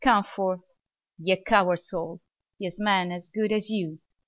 come forth! ye cowards all: Here's men as good as you.